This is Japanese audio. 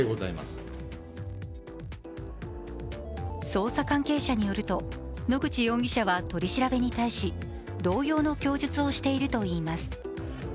捜査関係者によると野口容疑者は取り調べに対し同様の供述をしているといいます。